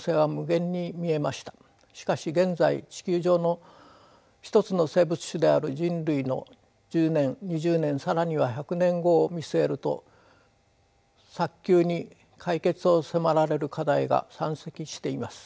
しかし現在地球上の一つの生物種である人類の１０年２０年更には１００年後を見据えると早急に解決を迫られる課題が山積しています。